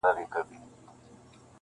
لېري لېري له دې نورو څه او سېږي,